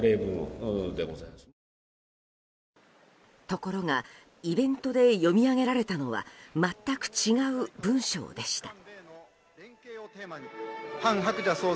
ところがイベントで読み上げられたのは全く違う文章でした。